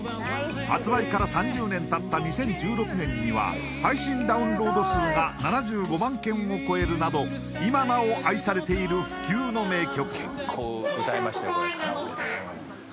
発売から３０年たった２０１６年には配信ダウンロード数が７５万件を超えるなど今なお愛されている不朽の名曲。